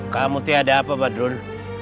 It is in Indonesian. kamu tiada apa badrun